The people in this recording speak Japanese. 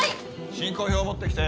進行表持ってきて。